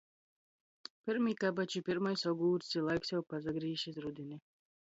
Pyrmī kabači, pyrmais ogūrcs, i laiks jau pasagrīž iz rudini.